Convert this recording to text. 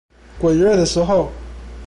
鬼月的時候